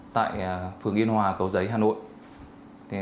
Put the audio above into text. tại phường yên hòa cầu giấy hà nội